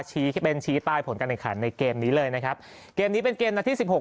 เป็นชี้ใต้ผลการแข่งขันในเกมนี้เลยนะครับเกมนี้เป็นเกมนัดที่สิบหก